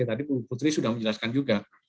tadi bu putri sudah menjelaskan juga